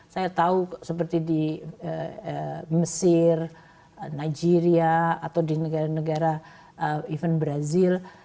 saya tahu seperti di mesir nagiria atau di negara negara even brazil